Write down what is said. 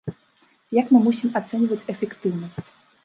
Як мы мусім ацэньваць эфектыўнасць?